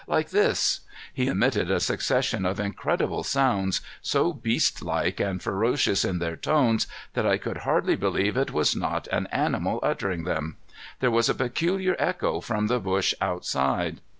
Like this " He emitted a succession of incredible sounds, so beastlike and ferocious in their tones that I could hardly believe it was not an animal uttering them. There was a peculiar echo from the bush outside.